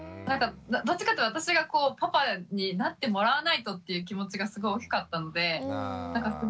どっちかというと私がこうパパになってもらわないとっていう気持ちがすごい大きかったのでなんか